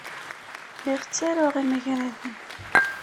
Lliɣ ttaruɣ imagraden.